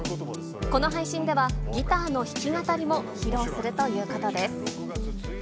この配信では、ギターの弾き語りも披露するということです。